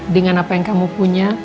dengan apa yang kamu punya